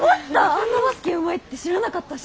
あんなバスケうまいって知らなかったし。